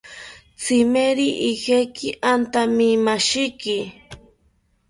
Tzimeri ijeki antamimashiki